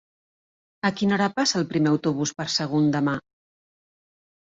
A quina hora passa el primer autobús per Sagunt demà?